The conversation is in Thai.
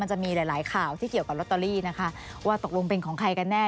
จะมีหลายหลายข่าวที่เกี่ยวกับลอตเตอรี่นะคะว่าตกลงเป็นของใครกันแน่